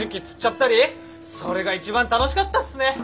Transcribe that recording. それが一番楽しかったっすね。